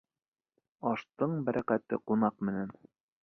Аштың бәрәкәте ҡунаҡ менән.